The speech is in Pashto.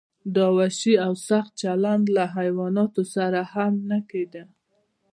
دا وحشي او سخت چلند له حیواناتو سره هم نه کیده.